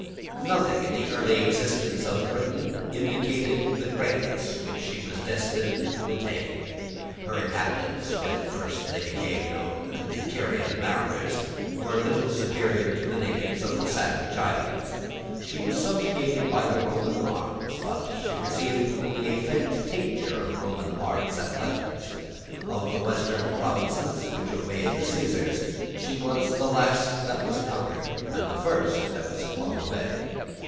Nothing in the early existence of Britain indicated the greatness which she was destined to attain. Her inhabitants when first they became known to the Tyrian mariners, were little superior to the natives of the Sandwich Islands. She was subjugated by the Roman arms; but she received only a faint tincture of Roman arts and letters. Of the western provinces which obeyed the Caesars, she was the last that was conquered, and the first that was flung away.